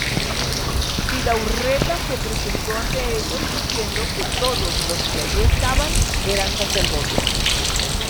Vidaurreta se presentó ante ellos diciendo que todos los que allí estaban eran sacerdotes.